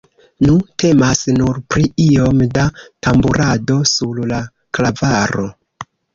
Nu, temas nur pri iom da tamburado sur la klavaro.